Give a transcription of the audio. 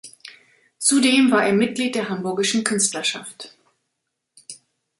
Zudem war er Mitglied der Hamburgischen Künstlerschaft.